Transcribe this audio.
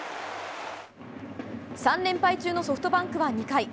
３連敗中のソフトバンクは２回。